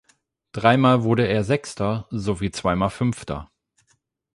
Dreimal wurde er Sechster sowie zweimal Fünfter.